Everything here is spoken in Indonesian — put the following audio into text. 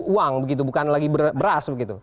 uang begitu bukan lagi beras begitu